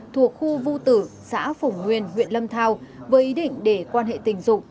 thuộc khu vô tử xã phùng nguyên huyện lâm thao với ý định để quan hệ tình dục